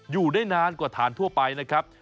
อยู่ได้นานกว่าฐานทั่วไปนะครับ